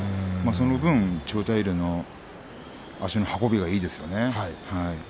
その分千代大龍の足の運びがよかったですね。